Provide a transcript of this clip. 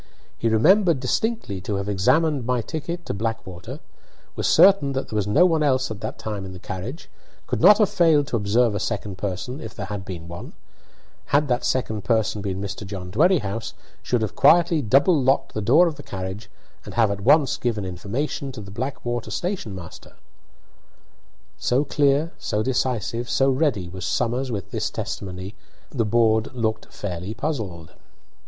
He remembered distinctly to have examined my ticket to Blackwater; was certain that there was no one else at that time in the carriage; could not have failed to observe a second person, if there had been one; had that second person been Mr. John Dwerrihouse, should have quietly double locked the door of the carriage and have at once given information to the Blackwater station master. So clear, so decisive, so ready, was Somers with this testimony, that the board looked fairly puzzled.